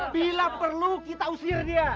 bila perlu kita usir dia